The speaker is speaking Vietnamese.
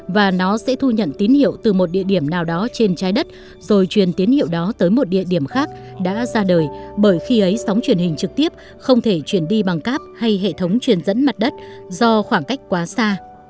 và nó sẽ thu nhận tín hiệu từ một địa điểm nào đó trên trái đất rồi truyền tín hiệu đó tới một địa điểm khác đã ra đời bởi khi ấy sóng truyền hình trực tiếp không thể truyền đi bằng cáp hay hệ thống truyền dẫn mặt đất do khoảng cách quá xa